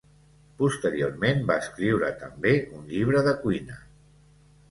Posteriorment va escriure també un llibre de cuina.